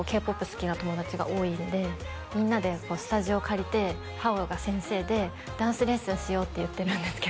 好きな友達が多いんでみんなでスタジオ借りてはおが先生でダンスレッスンしようって言ってるんですけど